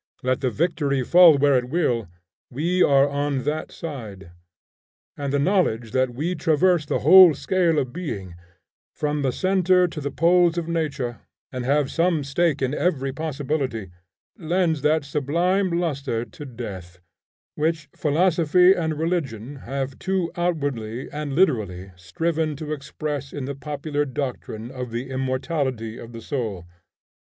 Let the victory fall where it will, we are on that side. And the knowledge that we traverse the whole scale of being, from the centre to the poles of nature, and have some stake in every possibility, lends that sublime lustre to death, which philosophy and religion have too outwardly and literally striven to express in the popular doctrine of the immortality of the soul.